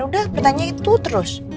udah pertanyaan itu terus